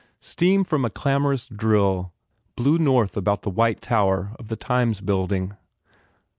Steam from a clamorous drill blew north about the white tower of the Times build ing.